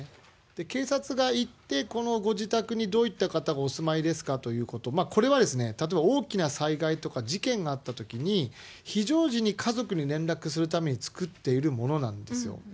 警察が行って、このご自宅にどういった方お住まいですかということ、これは、例えば大きな災害とか事件があったときに、非常時に家族に連絡するために、作っているものなんですよ。